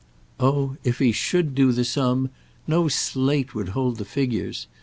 Oh if he should do the sum no slate would hold the figures!